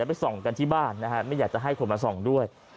ไปส่องกันที่บ้านนะฮะไม่อยากจะให้คนมาส่องด้วย